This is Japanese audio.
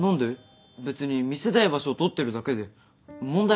別に見せたい場所を撮ってるだけで問題ある？